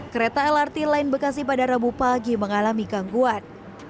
kereta lrt lain bekasi pada rabu pagi mengalami gangguan